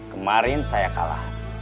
kemarin saya kalah